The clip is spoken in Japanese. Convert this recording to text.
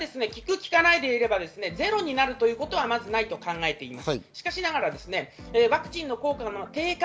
効く効かないで言えばゼロになるということは、まずないと考えています。